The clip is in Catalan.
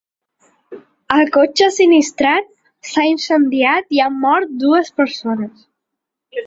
El cotxe sinistrat s’ha incendiat i han mort dues persones.